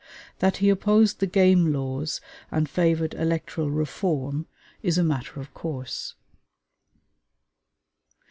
That he opposed the game laws and favored electoral reform is a matter of course.